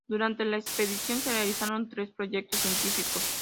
Durante la expedición se realizaron tres proyectos científicos.